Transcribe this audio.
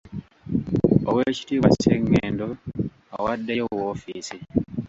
Oweekitiibwa Ssengendo awaddeyo woofiisi.